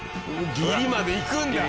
ギリまでいくんだ。